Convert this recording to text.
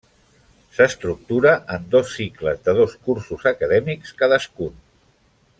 S'estructura en dos cicles de dos cursos acadèmics cadascun.